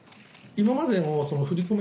今までの振り込め